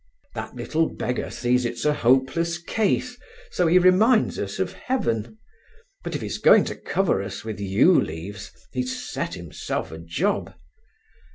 "That little beggar sees it's a hopeless case, so he reminds us of heaven. But if he's going to cover us with yew leaves, he's set himself a job."